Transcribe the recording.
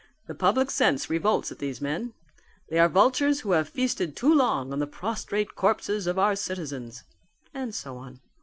"The public sense revolts at these men. They are vultures who have feasted too long on the prostrate corpses of our citizens." And so on.